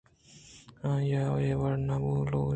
آئیءَ اے وڑنہ لوٹ اِتگ